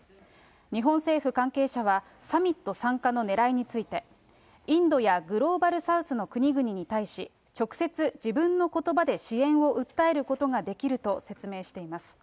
日本政府関係者は、サミット参加のねらいについて、インドやグローバルサウスの国々に対し、直接自分のことばで支援を訴えることができると説明しています。